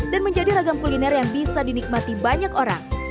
dan menjadi ragam kuliner yang bisa dinikmati banyak orang